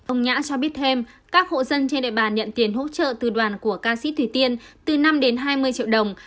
ông nhã cho biết thêm các hộ dân trên địa bàn nhận tiền hỗ trợ từ đoàn của ca sĩ thủy tiên từ năm đến hai mươi triệu đồng